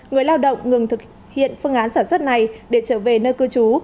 người lao động ngừng thực hiện phương án sản xuất này để trở về nơi cư trú